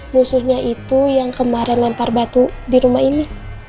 musuhnya itu yang kemarin lempar batu di rumah ini